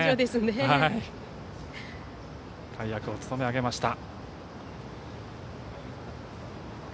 大役を務め上げました。